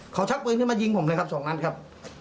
เขาชักปืนขึ้นมายิงผมเลยครับสองนัดครับ